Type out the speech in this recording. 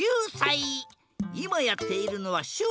いまやっているのはしゅわ。